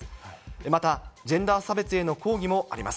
また、ジェンダー差別への抗議もあります。